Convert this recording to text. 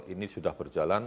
ini sudah berjalan